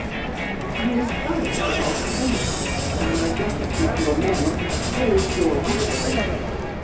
"I am sorry that I offend you by my gratitude to a man who saved your life."